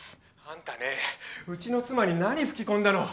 あんたねうちの妻に何吹き込んだの？